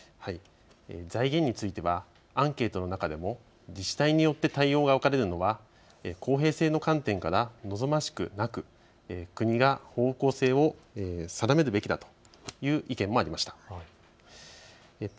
財源についてはアンケートの中でも自治体によって対応が分かれるのは公平性の観点から望ましくなく国が方向性を定めるべきだという意見もありました。